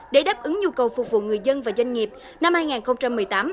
để đáp ứng nhu cầu phục vụ người dân và doanh nghiệp năm hai nghìn một mươi tám